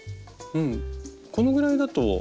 うんこのぐらいだと。